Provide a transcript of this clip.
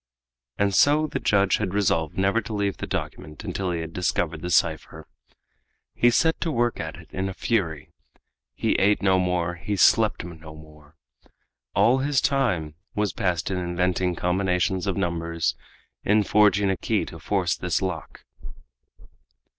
And so the judge had resolved never to leave the document until he had discovered the cipher. He set to work at it in a fury. He ate no more; he slept no more! All his time was passed in inventing combinations of numbers, in forging a key to force this lock!